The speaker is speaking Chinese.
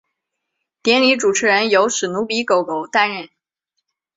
典礼主持人由史奴比狗狗担任。